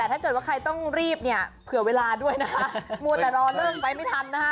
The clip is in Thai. แต่ถ้าเกิดว่าใครต้องรีบเนี่ยเผื่อเวลาด้วยนะคะมัวแต่รอเลิกไปไม่ทันนะคะ